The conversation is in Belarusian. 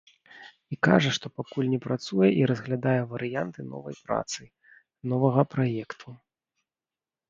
І кажа, што пакуль не працуе і разглядае варыянты новай працы, новага праекту.